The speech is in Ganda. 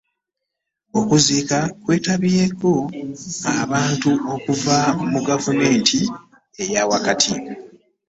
Okuziika kwetabyeko abantu okuva mu gavumeenti eya wakati.